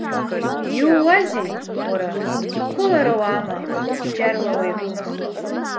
Иууазеи, уара, қәылара уаама, бџьарла уеиқәныхла?